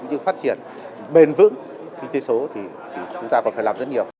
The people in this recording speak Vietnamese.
như phát triển bền vững kinh tế số thì chúng ta còn phải làm rất nhiều